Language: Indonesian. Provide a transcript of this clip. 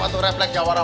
itu refleks jawa rauh